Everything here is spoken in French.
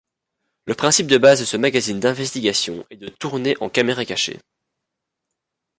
Le principe de base de ce magazine d’investigation est de tourner en caméra cachée.